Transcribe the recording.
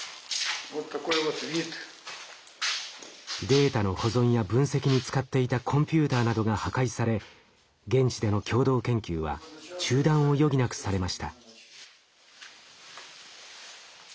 データの保存や分析に使っていたコンピューターなどが破壊され現地での共同研究は中断を余儀なくされました。